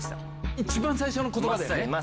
一番最初の言葉だよね。